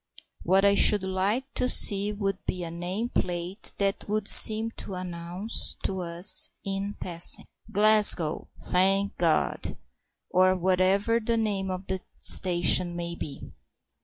What I should like to see would be a name plate that would seem to announce to us in passing: "Glasgow, thank God!" or whatever the name of the station may be.